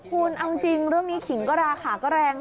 คุณเอาจริงเรื่องนี้ขิงก็ราคาก็แรง